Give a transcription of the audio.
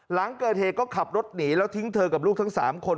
หลังเกิดเหตุก็ขับรถหนีแล้วทิ้งเธอกับลูกทั้ง๓คน